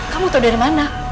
kamu tau dari mana